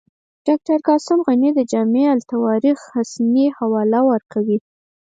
ډاکټر قاسم غني د جامع التواریخ حسني حواله ورکوي.